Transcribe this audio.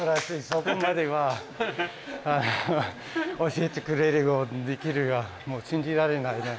そこまでは教えてくれるとできるは信じられないね。